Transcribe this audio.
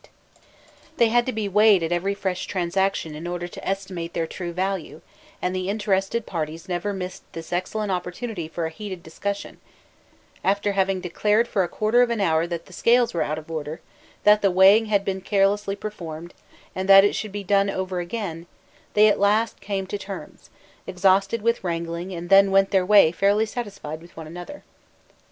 jpg one of the forms of egyptian scales] Drawn by Faucher Gudin, after a sketch by Rosellini They had to be weighed at every fresh transaction in order to estimate their true value, and the interested parties never missed this excellent opportunity for a heated discussion: after having declared for a quarter of an hour that the scales were out of order, that the weighing had been carelessly performed, and that it should be done over again, they at last came to terms, exhausted with wrangling, and then went their way fairly satisfied with one another.